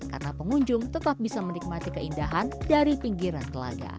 karena pengunjung tetap bisa menikmati keindahan dari pinggiran telaga